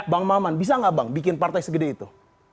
bang maman bisa nggak bang bikin partai segede itu